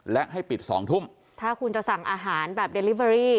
และให้ปิดสองทุ่มถ้าคุณจะสั่งอาหารแบบเดลิเบอรี่